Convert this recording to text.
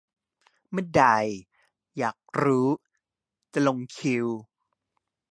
เมื่อใด อยากรู้ จะลงคิว